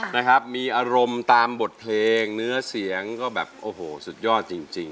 นะครับมีอารมณ์ตามบทเพลงเนื้อเสียงก็แบบโอ้โหสุดยอดจริง